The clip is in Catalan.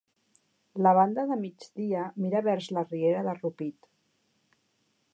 La banda de migdia mira vers la riera de Rupit.